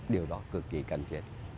điều đó cực kỳ cạnh trệt